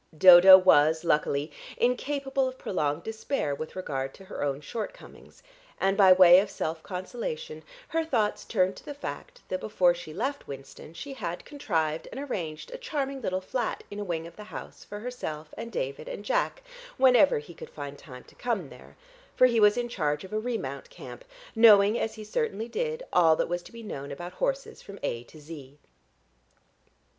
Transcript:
Dodo was, luckily, incapable of prolonged despair with regard to her own shortcomings, and by way of self consolation her thoughts turned to the fact that before she left Winston she had contrived and arranged a charming little flat in a wing of the house for herself and David and Jack whenever he could find time to come there, for he was in charge of a remount camp, knowing, as he certainly did, all that was to be known about horses from A to Z.